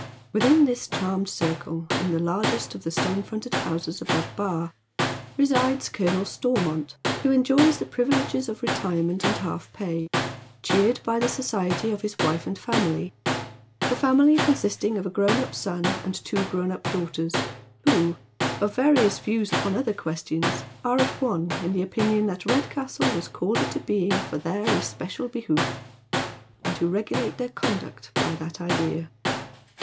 Within this charmed circle, in the largest of the stone fronted houses above Bar, resides Colonel Stormont, who eajoys the privi leges of retirement and half pay, cheered by the society of his wife and family, the family consisting of a grown up son and two grown up daughters who, of various views upon other ques tions, are at one in the opinion that Redcastle was called into being for their especial behoof, and who regulate their conduct by that idea.